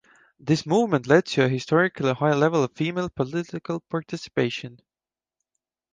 This movement led to a historically high level of female political participation.